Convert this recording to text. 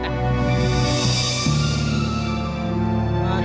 semoga berimeters semakin besar